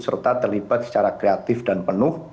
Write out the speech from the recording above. serta terlibat secara kreatif dan penuh